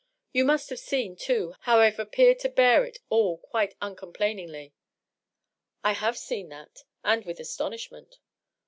You must have seen, too, how I've appeared to bear it all quite uncomplain ingly." " I have seen that — ^and with astonishment."